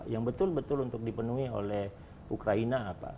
yang betul betul untuk dipenuhi oleh ukraina apa